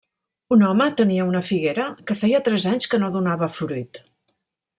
Un home tenia una figuera que feia tres anys que no donava fruit.